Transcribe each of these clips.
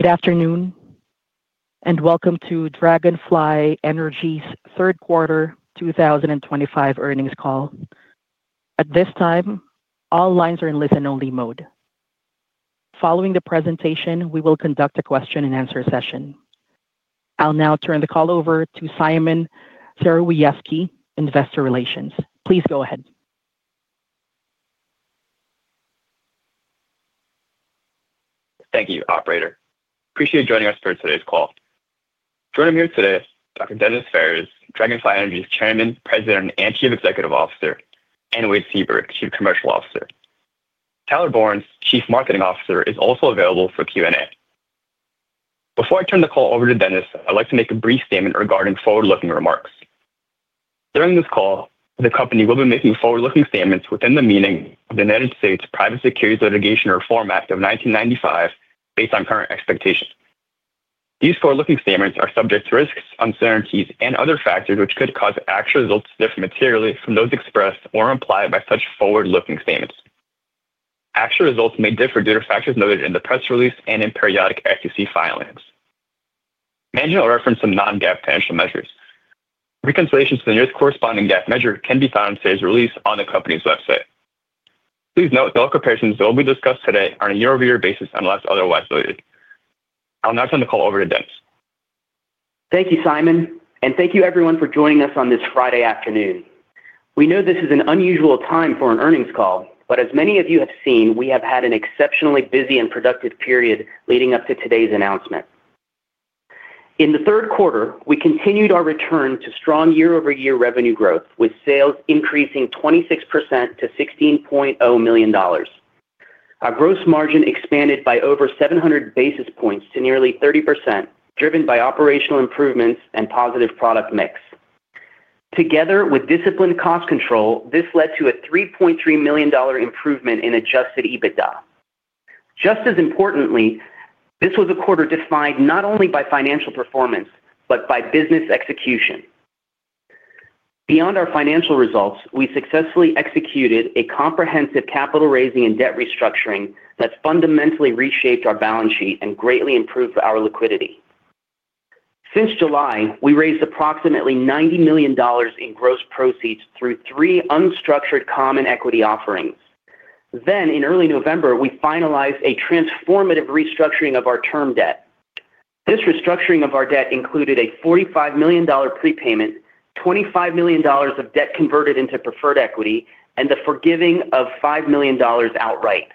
Good afternoon, and welcome to Dragonfly Energy's Third Quarter twenty twenty five Earnings Call. At this time, all lines are in listen only mode. Following the presentation, we will conduct a question and answer session. I'll now turn the call over to Simon Sarawievski, Investor Relations. Please go ahead. Thank you, operator. I appreciate you joining us for today's call. Joining me today are Doctor. Dennis Farris, Dragonfly Energy's Chairman, President and Chief Executive Officer and Wade Sieberg, Chief Commercial Officer. Tyler Bornes, Chief Marketing Officer, is also available for Q and A. Before I turn the call over to Dennis, I'd like to make a brief statement regarding forward looking remarks. During this call, the company will be making forward looking statements within the meaning of The United States Private Securities Litigation Reform Act of 1995 based on current expectations. These forward looking statements are subject to risks, uncertainties and other factors, which could cause actual results to differ materially from those expressed or implied by such forward looking statements. Actual results may differ due to factors noted in the press release and in periodic SEC filings. Management will reference some non GAAP financial measures. Reconciliations to the nearest corresponding GAAP measure can be found in today's release on the company's website. Please note, all comparisons that will be discussed today are on a year over year basis unless otherwise noted. I'll now turn the call over to Dents. Thank you, Simon, and thank you everyone for joining us on this Friday afternoon. We know this is an unusual time for an earnings call, but as many of you have seen, we have had an exceptionally busy and productive period leading up to today's announcement. In the third quarter, we continued our return to strong year over year revenue growth with sales increasing 26% to $16,000,000 Our gross margin expanded by over 700 basis points to nearly 30% driven by operational improvements and positive product mix. Together with disciplined cost control, this led to a $3,300,000 improvement in adjusted EBITDA. Just as importantly, this was a quarter defined not only by financial performance, but by business execution. Beyond our financial results, we successfully executed a comprehensive capital raising and debt restructuring that's fundamentally reshaped our balance sheet and greatly improved our liquidity. Since July, we raised approximately $90,000,000 in gross proceeds through three unstructured common equity offerings. Then in early November, we finalized a transformative restructuring of our term debt. This restructuring of our debt included a $45,000,000 prepayment, dollars 25,000,000 of debt converted into preferred equity and the forgiving of $5,000,000 outright.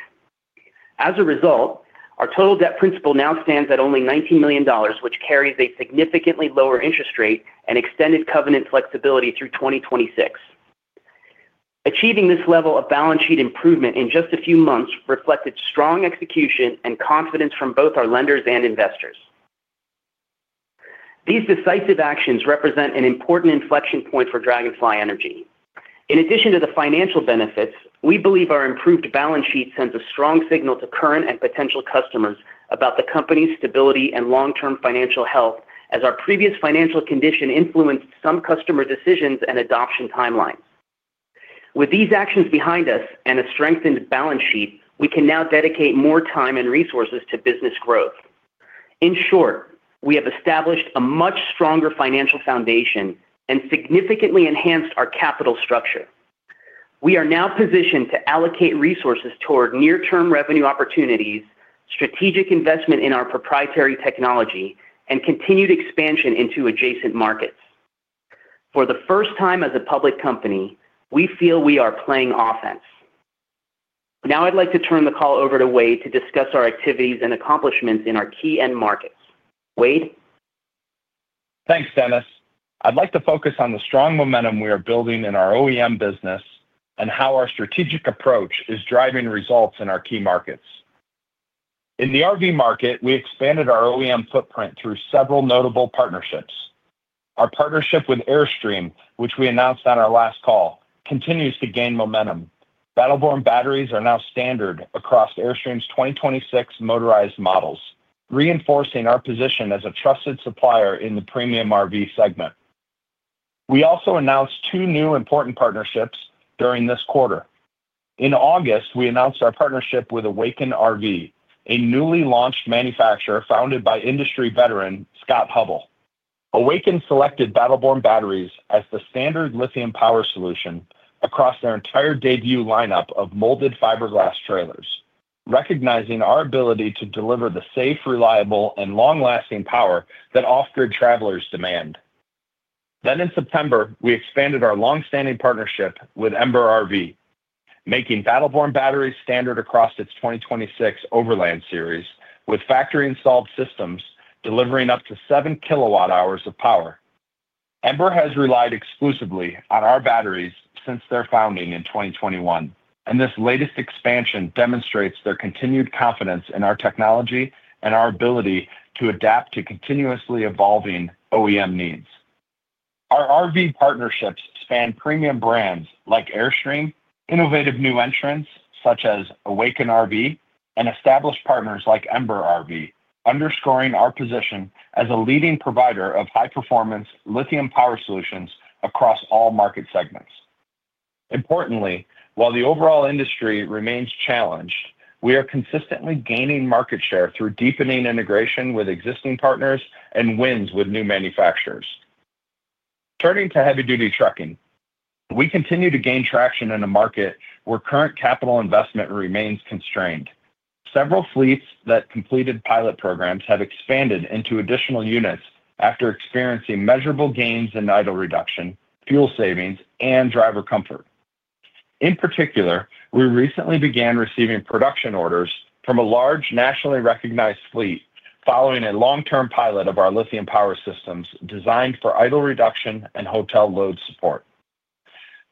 As a result, our total debt principal now stands at only $19,000,000 which carries a significantly lower interest rate and extended covenant flexibility through 2026. Achieving this level of balance sheet improvement in just a few months reflected strong execution and confidence from both our lenders and investors. These decisive actions represent an important inflection point for Dragonfly Energy. In addition to the financial benefits, we believe our improved balance sheet sends a strong signal to current and potential customers about the company's stability and long term financial health as our previous financial condition influenced some customer decisions and adoption timelines. With these actions behind us and a strengthened balance sheet, we can now dedicate more time and resources to business growth. In short, we have established a much stronger financial foundation and significantly enhanced our capital structure. We are now positioned to allocate resources toward near term revenue opportunities, strategic investment in our proprietary technology and continued expansion into adjacent markets. For the first time as a public company, we feel we are playing offense. Now I'd like to turn the call over to Wade to discuss our activities and accomplishments in our key end markets. Wade? Thanks, Dennis. I'd like to focus on the strong momentum we are building in our OEM business and how our strategic approach is driving results in our key markets. In the RV market, we expanded our OEM footprint through several notable partnerships. Our partnership with Airstream, which we announced on our last call, continues to gain momentum. Battleborn batteries are now standard across Airstream's twenty twenty six motorized models, reinforcing our position as a trusted supplier in the premium RV segment. We also announced two new important partnerships during this quarter. In August, we announced our partnership with Awaken RV, a newly launched manufacturer founded by industry veteran, Scott Hubbell. Awaken selected Battle Born Batteries as the standard lithium power solution across their entire debut lineup of molded fiberglass trailers, recognizing our ability to deliver the safe, reliable and long lasting power that off grid travelers demand. Then in September, we expanded our long standing partnership with Ember RV, making BattleBorne batteries standard across its twenty twenty six Overland series with factory installed systems delivering up to seven kilowatt hours of power. Embraer has relied exclusively on our batteries since their founding in 2021, and this latest expansion demonstrates their continued confidence in our technology and our ability to adapt to continuously evolving OEM needs. Our RV partnerships span premium brands like Airstream, innovative new entrants such as Awaken RV and established partners like Ember RV, underscoring our position as a leading provider of high performance lithium power solutions across all market segments. Importantly, while the overall industry remains challenged, we are consistently gaining market share through deepening integration with existing partners and wins with new manufacturers. Turning to heavy duty trucking. We continue to gain traction in a market where current capital investment remains constrained. Several fleets that completed pilot programs have expanded into additional units after experiencing measurable gains in idle reduction, fuel savings and driver comfort. In particular, we recently began receiving production orders from a large nationally recognized fleet following a long term pilot of our lithium power systems designed for idle reduction and hotel load support.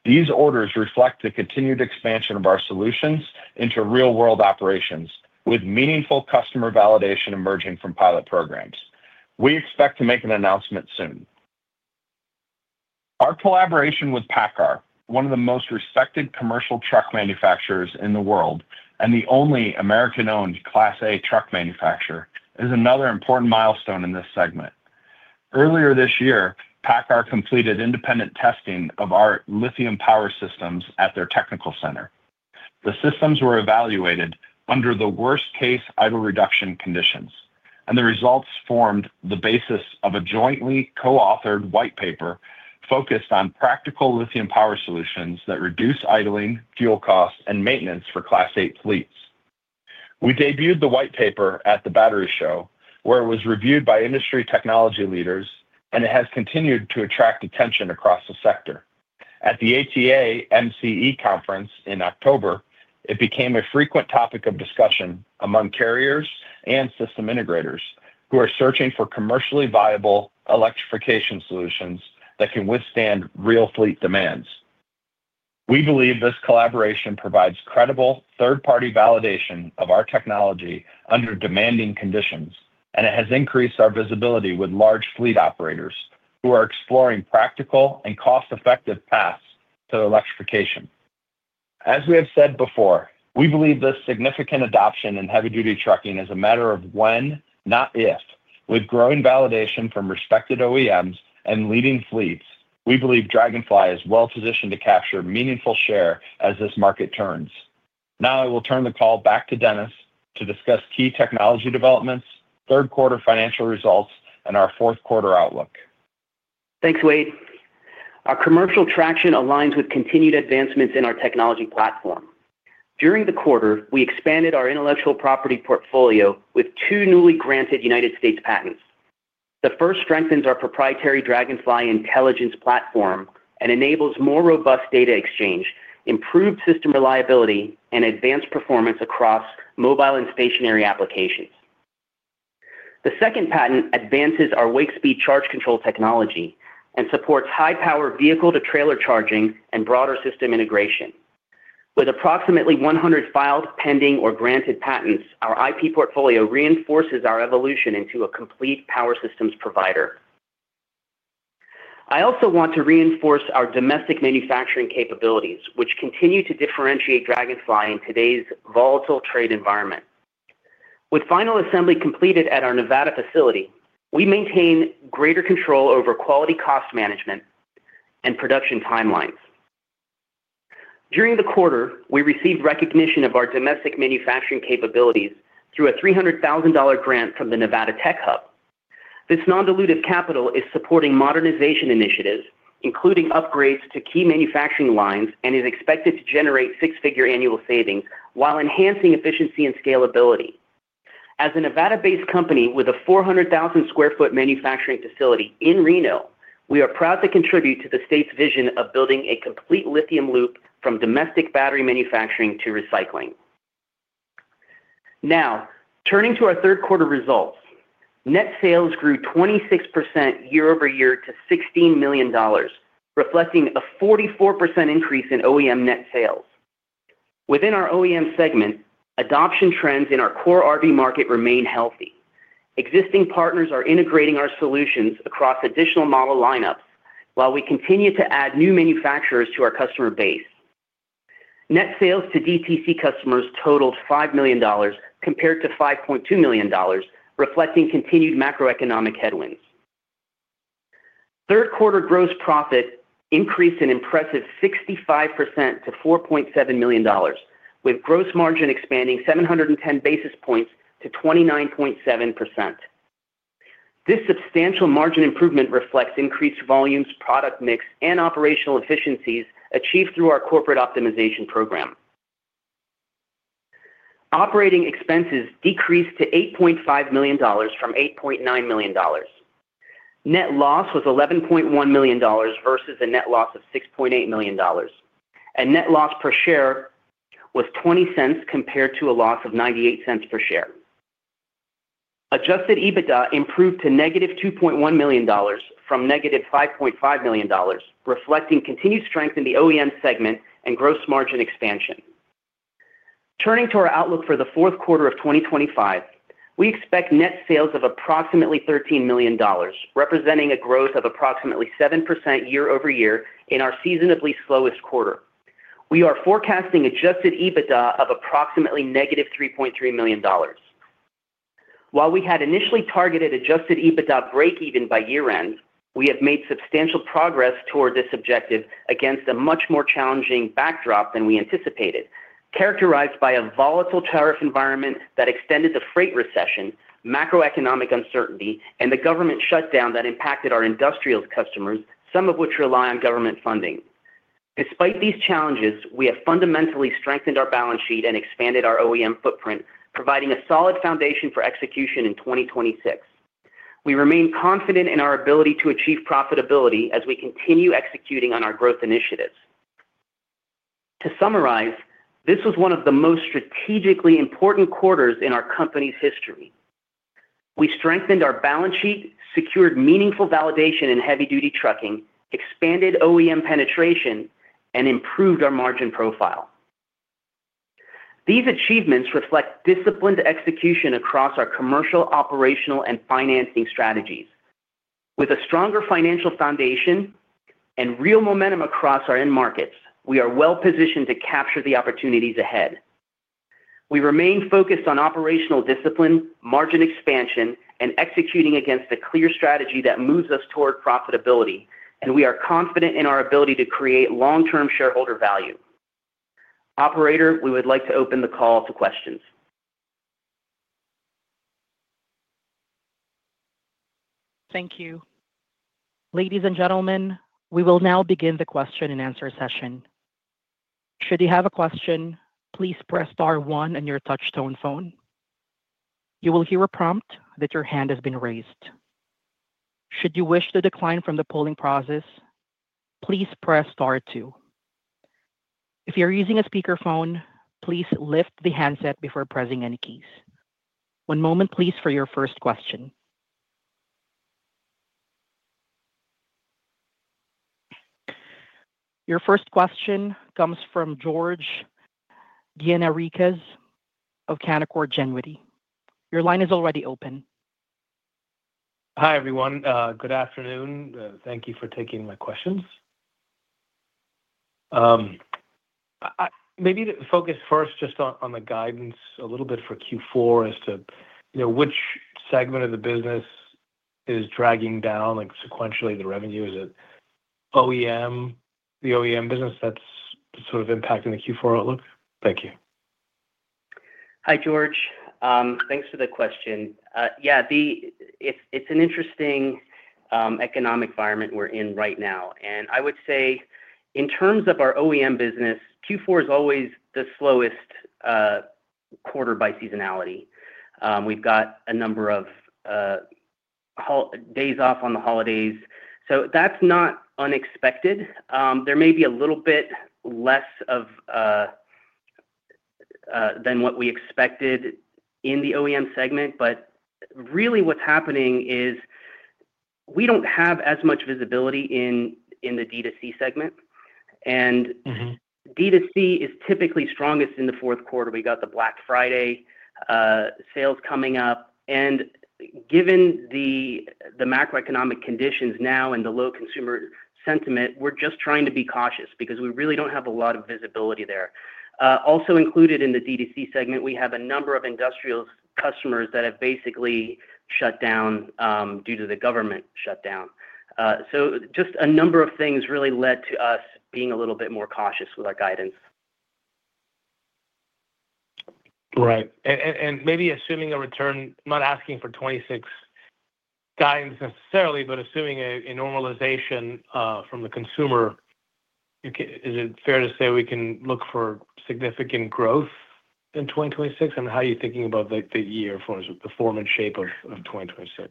These orders reflect the continued expansion of our solutions into real world operations with meaningful customer validation emerging from pilot programs. We expect to make an announcement soon. Our collaboration with PACCAR, one of the most respected commercial truck manufacturers in the world and the only American owned Class A truck manufacturer is another important milestone in this segment. Earlier this year, PACCAR completed independent testing of our lithium power systems at their technical center. The systems were evaluated under the worst case idle reduction conditions, and the results formed the basis of a jointly coauthored white paper focused on practical lithium power solutions that reduce idling, fuel costs and maintenance for Class eight fleets. We debuted the white paper at the Battery Show, where it was reviewed by industry technology leaders, and it has continued to attract attention across the sector. At the ATAMCE Conference in October, it became a frequent topic of discussion among carriers and system integrators who are searching for commercially viable electrification solutions that can withstand real fleet demands. We believe this collaboration provides credible third party validation of our technology under demanding conditions, and it has increased our visibility with large fleet operators who are exploring practical and cost effective paths to electrification. As we have said before, we believe this significant adoption in heavy duty trucking is a matter of when, not if. With growing validation from respected OEMs and leading fleets, we believe Dragonfly is well positioned to capture meaningful share as this market turns. Now I will turn the call back to Dennis to discuss key technology developments, third quarter financial results and our fourth quarter outlook. Thanks, Wade. Our commercial traction aligns with continued advancements in our technology platform. During the quarter, we expanded our intellectual property portfolio with two newly granted United States patents. The first strengthens our proprietary DragonFly Intelligence platform and enables more robust data exchange, improved system reliability and advanced performance across mobile and stationary applications. The second patent advances our wake speed charge control technology and supports high power vehicle to trailer charging and broader system integration. With approximately 100 filed pending or granted patents, our IP portfolio reinforces our evolution into a complete power systems provider. I also want to reinforce our domestic manufacturing capabilities, which continue to differentiate Dragonfly in today's volatile trade environment. With final assembly completed at our Nevada facility, we maintain greater control over quality cost management and production timelines. During the quarter, we received recognition of our domestic manufacturing capabilities through a $300,000 grant from the Nevada Tech Hub. This non dilutive capital is supporting modernization initiatives, including upgrades to key manufacturing lines and is expected to generate 6 figure annual savings while enhancing efficiency and scalability. As a Nevada based company with a 400,000 square foot manufacturing facility in Reno, we are proud to contribute to the state's vision of building a complete lithium loop from domestic battery manufacturing to recycling. Now turning to our third quarter results. Net sales grew 26% year over year to $16,000,000 reflecting a 44% increase in OEM net sales. Within our OEM segment, adoption trends in our core RV market remain healthy. Existing partners are integrating our solutions across additional model lineups, while we continue to add new manufacturers to our customer base. Net sales to DTC customers totaled $5,000,000 compared to $5,200,000 reflecting continued macroeconomic headwinds. Third quarter gross profit increased an impressive 65% to $4,700,000 with gross margin expanding seven ten basis points to 29.7%. This substantial margin improvement reflects increased volumes, product mix and operational efficiencies achieved through our corporate optimization program. Operating expenses decreased to $8,500,000 from $8,900,000 Net loss was $11,100,000 versus a net loss of $6,800,000 and net loss per share was $0.20 compared to a loss of $0.98 per share. Adjusted EBITDA improved to negative $2,100,000 from negative $5,500,000 reflecting continued strength in the OEM segment and gross margin expansion. Turning to our outlook for the 2025, we expect net sales of approximately $13,000,000 representing a growth of approximately 7% year over year in our seasonably slowest quarter. We are forecasting adjusted EBITDA of approximately negative $3,300,000 While we had initially targeted adjusted EBITDA breakeven by year end, we have made substantial progress toward this objective against a much more challenging backdrop than we anticipated characterized by a volatile tariff environment that extended the freight recession, macroeconomic uncertainty and the government shutdown that impacted our industrial customers, some of which rely on government funding. Despite these challenges, we have fundamentally strengthened our balance sheet and expanded our OEM footprint providing a solid foundation for execution in 2026. We remain confident in our ability to achieve profitability as we continue executing on our growth initiatives. To summarize, this was one of the most strategically important quarters in our company's history. We strengthened our balance sheet, secured meaningful validation in heavy duty trucking, expanded OEM penetration and improved our margin profile. These achievements reflect disciplined execution across our commercial, operational and financing strategies. With a stronger financial foundation and real momentum across our end markets, we are well positioned to capture the opportunities ahead. We remain focused on operational discipline, margin expansion and executing against a clear strategy that moves us toward profitability, and we are confident in our ability to create long term shareholder value. Operator, we would like to open the call to questions. Thank you. Ladies and gentlemen, we will now begin the question and answer Your Your first question comes from George Guiana Ricas of Canaccord Genuity. Your line is already open. Hi, everyone. Good afternoon. Thank you for taking my questions. Maybe to focus first just on the guidance a little bit for Q4 as to which segment of the business is dragging down like sequentially the revenue? Is it OEM, the OEM business that's sort of impacting the Q4 outlook? Thank you. Hi, George. Thanks for the question. Yes, the it's an interesting economic environment we're in right now. And I would say in terms of our OEM business, q four is always the slowest quarter by seasonality. We've got a number of days off on the holidays. So that's not unexpected. There may be a little bit less of than what we expected in the OEM segment. But really what's happening is we don't have as much visibility in the D2C segment. And D2C is typically strongest in the fourth quarter. We got the Black Friday sales coming up. And given the the macroeconomic conditions now and the low consumer sentiment, we're just trying to be cautious because we really don't have a lot of visibility there. Also included in the D2C segment, we have a number of industrial customers that have basically shut down due to the government shutdown. So just a number of things really led to us being a little bit more cautious with our guidance. Right. And maybe assuming a return, not asking for '26 guidance necessarily, but assuming a normalization from the consumer, is it fair to say we can look for significant growth in 2026? And how are thinking about the year for us with the form and shape of 2026?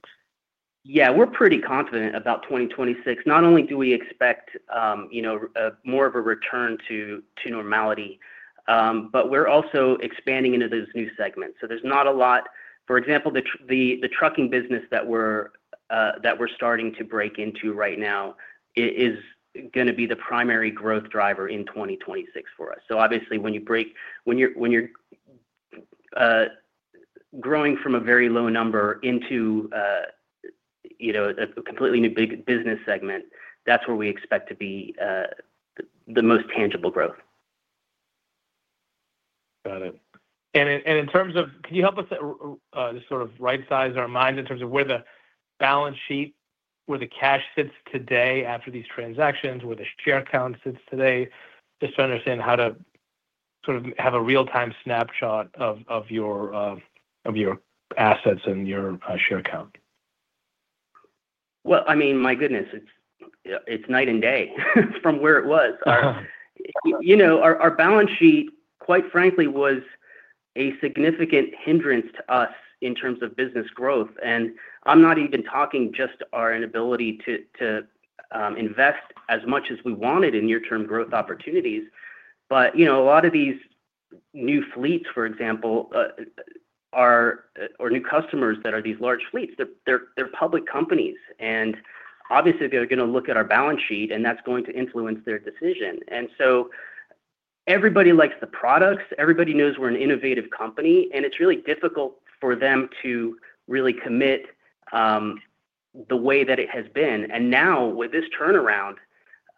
Yes. We're pretty confident about 2026. Not only do we expect more of a return to normality, but we're also expanding into those new segments. So there's not a lot for example, trucking business that starting to break into right now is going to be the primary growth driver in 2026 for us. So obviously when you break when you're growing from a very low number into a completely new big business segment that's where we expect to be the most tangible growth. Got it. In terms of can you help us, just sort of rightsize our mind in terms of where the balance sheet, where the cash sits today after these transactions, where the share count sits today, just to understand how to sort of have a real time snapshot of your assets and your share count? Well, I mean my goodness, it's night and day from where it was. Our balance sheet quite frankly was a significant hindrance to us in terms of business growth. And I'm not even talking just our inability to invest as much as we wanted in near term growth opportunities. But a lot of these new fleets, for example, are or new customers that are these large fleets, they're they're they're public companies. And, obviously, they're gonna look at our balance sheet and that's going to influence their decision. And so everybody likes the products. Everybody knows we're an innovative company and it's really difficult for them to really commit the way that it has been. And now with this turnaround,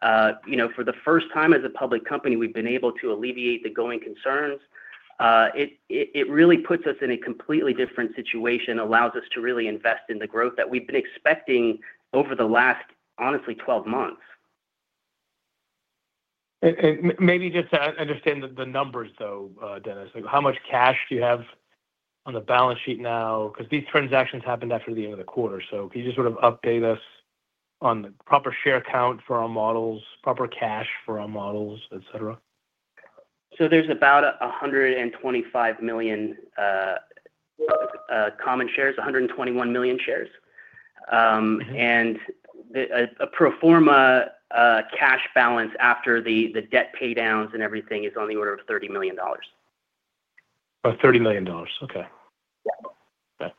for the first time as a public company, we've been able to alleviate the going concerns. It really puts us in a completely different situation, allows us to really invest in the growth that we've been expecting over the last, honestly, twelve months. Maybe just to understand the numbers though Dennis, like how much cash do you have on the balance sheet now because these transactions happened after the end of the quarter. So can you just sort of update us on the proper share count for our models, proper cash for our models, etcetera? So there's about 125,000,000 common shares, 121,000,000 shares. And a pro form a cash balance after the debt pay downs and everything is on the order of $30,000,000 About $30,000,000 Okay. Yes.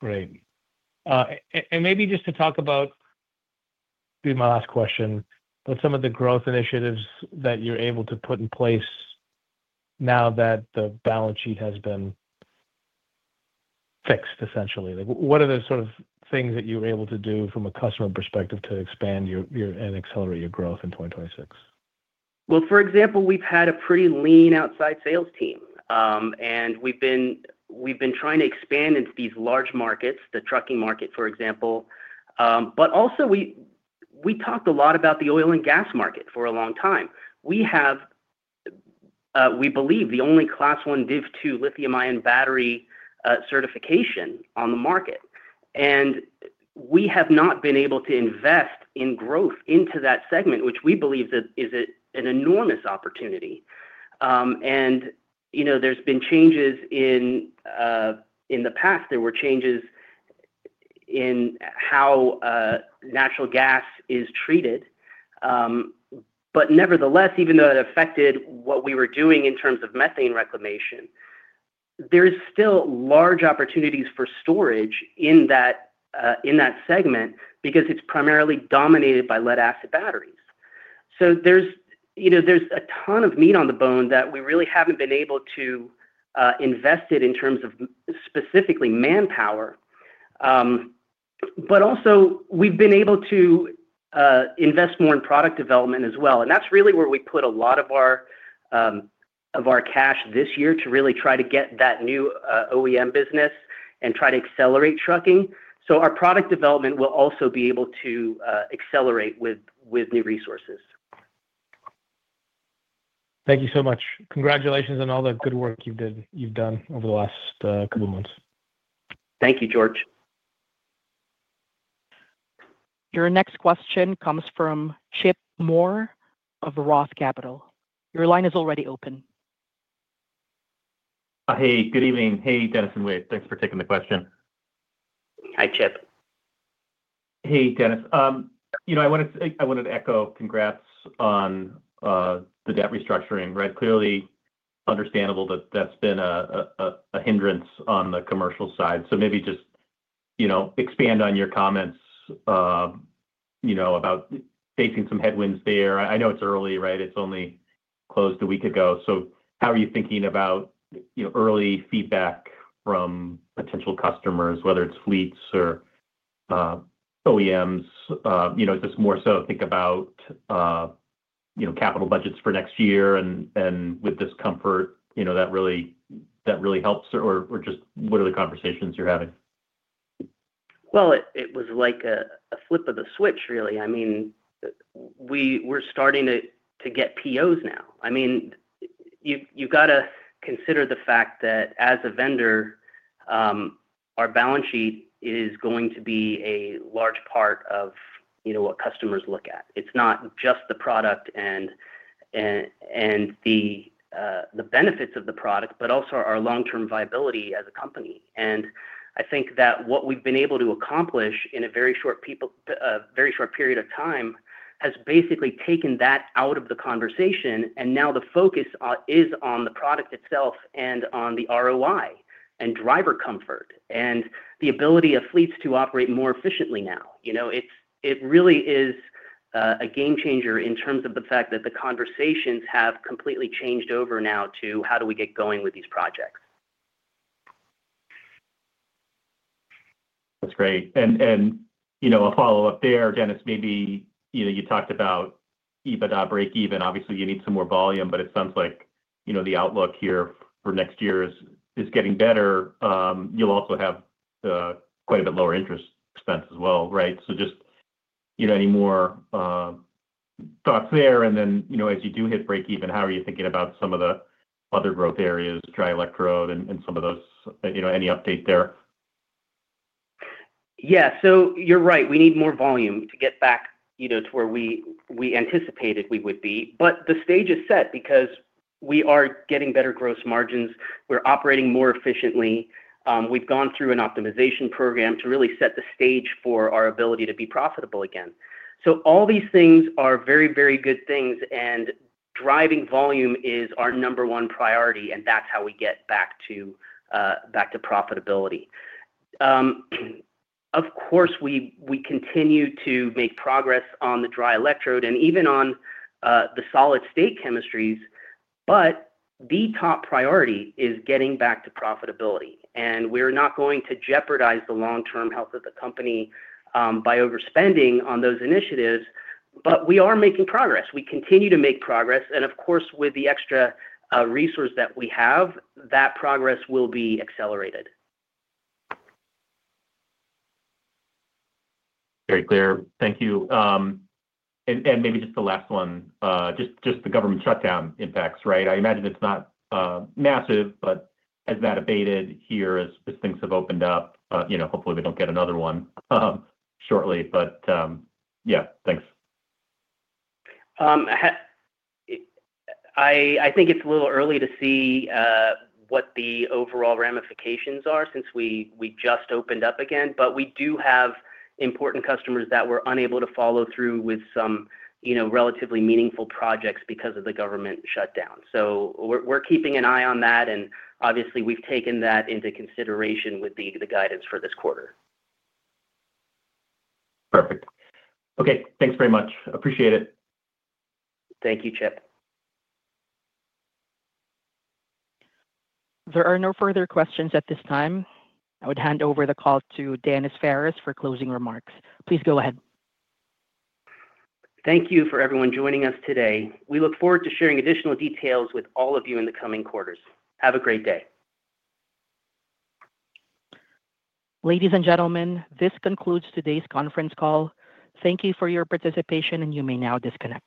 Great. And maybe just to talk about my last question, but some of the growth initiatives that you're able to put in place now that the balance sheet has been fixed essentially? Like what are the sort of things that you were able to do from a customer perspective to expand your and accelerate your growth in 2026? Well, example, we've had a pretty lean outside sales team and we've been trying to expand into these large markets, the trucking market for example. But also we talked a lot about the oil and gas market for a long time. We have we believe the only class one DIV2 lithium ion battery certification on the market. And we have not been able to invest in growth into that segment, which we believe that is an enormous opportunity. And there's been changes in the past. There were changes in how natural gas is treated. But nevertheless, even though it affected what we were doing in terms of methane reclamation, There's still large opportunities for storage in that segment because it's primarily dominated by lead acid batteries. So there's a ton of meat on the bone that we really haven't been able to invest it in terms of specifically manpower. But also we've been able to invest more in product development as well. And that's really where we put a lot of our cash this year to really try to get that new OEM business and try to accelerate trucking. So our product development will also be able to accelerate with new resources. Thank you so much. Congratulations on all the good work you've done over the last couple of months. Thank you, George. Your next question comes from Chip Moore of Roth Capital. Your line is already open. Hey, good evening. Hey, Dennis and Wade. Thanks for taking the question. Hi, Chip. Hey, Dennis. I wanted to echo congrats on the debt restructuring, right? Clearly understandable that that's been a hindrance on the commercial side. So maybe just expand on your comments about facing some headwinds there. I know it's early, right? It's only closed a week ago. So how are you thinking about early feedback from potential customers, whether it's fleets or OEMs? Is this more so think about capital budgets for next year and with this comfort that really helps? Just what are the conversations you're having? Well, it it was like a a flip of the switch, really. I mean, we we're starting to to get POs now. I mean, you've you've gotta consider the fact that as a vendor, our balance sheet is going to be a large part of what customers look at. It's not just the product and the benefits of the product, but also our long term viability as a company. And I think that what we've been able to accomplish in a very short period of time has basically taken that out of the conversation. And now the focus is on the product itself and on the ROI and driver comfort and the ability of fleets to operate more efficiently now. It really is a game changer in terms of the fact that the conversations have completely changed over now to how do we get going with these projects. That's great. And a follow-up there Dennis maybe you talked about EBITDA breakeven obviously you need some more volume but it sounds like the outlook here for next year is getting better. You'll also have quite a bit lower interest expense as well, right? So just any more thoughts there? And then as you do hit breakeven, how are you thinking about some of the other growth areas, dry electrode and some of those any update there? Yes. So you're right. We need more volume to get back to where we anticipated we would be. But the stage is set because we are getting better gross margins. We're operating more efficiently. We've gone through an optimization program to really set the stage for our ability to be profitable again. So all these things are very, very good things and driving volume is our number one priority and that's how we get back to profitability. Of course, we continue to make progress on the dry electrode and even on the solid state chemistries. But the top priority is getting back to profitability and we're not going to jeopardize the long term health of the company by overspending on those initiatives, But we are making progress. We continue to make progress. And of course with the extra resource that we have that progress will be accelerated. Very clear. Thank you. And maybe just the last one, just the government shutdown impacts, right? I imagine it's not, massive, but has that abated here as things have opened up? Hopefully, don't get another one, shortly. But, yes, thanks. I think it's a little early to see, what the overall ramifications are since we just opened up again. But we do have important customers that were unable to follow through with some relatively meaningful projects because of the government shutdown. So we're keeping an eye on that and obviously we've taken that into consideration with the guidance for this quarter. Perfect. Okay. Thanks very much. Appreciate it. Thank you, Chip. There are no further questions at this time. I would hand over the call to Dennis Farris for closing remarks. Please go ahead. Thank you for everyone joining us today. We look forward to sharing additional details with all of you in the coming quarters. Have a great day. Ladies and gentlemen, this concludes today's conference call. Thank you for your participation and you may now disconnect.